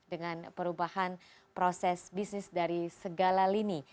dengan perubahan proses bisnis dari segala lini